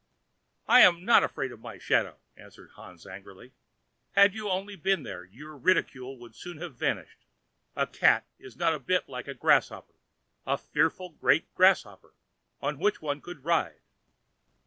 "I am not afraid of my shadow," answered Hans angrily; "had you only been there, your ridicule would soon have vanished. A cat is not a bit like a grasshopper—a fearful great grasshopper, on which one could ride!"